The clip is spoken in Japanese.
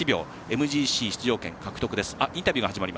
ＭＧＣ出場権獲得です。